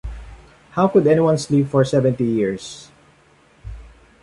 How could anyone sleep for seventy years?